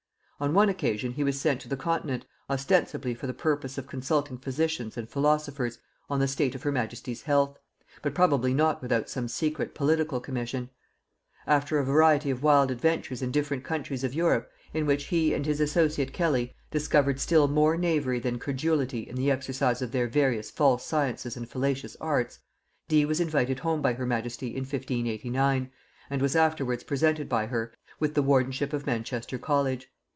On one occasion he was sent to the continent, ostensibly for the purpose of consulting physicians and philosophers on the state of her majesty's health; but probably not without some secret political commission. After a variety of wild adventures in different countries of Europe, in which he and his associate Kelly discovered still more knavery than credulity in the exercise of their various false sciences and fallacious arts, Dee was invited home by her majesty in 1589, and was afterwards presented by her with the wardenship of Manchester college.